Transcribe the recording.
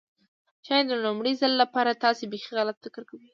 ښايي د لومړي ځل لپاره تاسو بيخي غلط فکر کوئ.